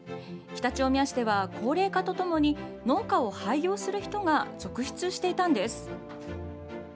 常陸大宮市では、高齢化とともに農家を廃業する人が続出していたんです。